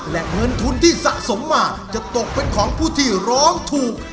และเงินทุนที่สะสมมาจะตกเป็นของผู้ที่ร้องถูก